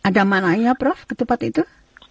ada mananya prof ketupat itu